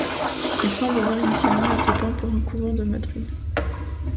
Il semble avoir initialement été peint pour un couvent de Madrid.